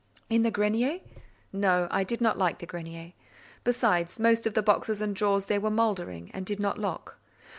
In the grenier? No, I did not like the grenier. Besides, most of the boxes and drawers there were mouldering, and did not lock.